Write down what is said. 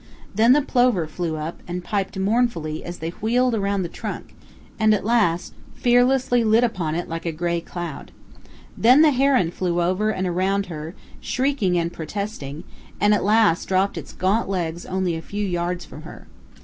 Then the plover flew up and piped mournfully as they wheeled around the trunk, and at last fearlessly lit upon it like a gray cloud. Then the heron flew over and around her, shrieking and protesting, and at last dropped its gaunt legs only a few yards from her.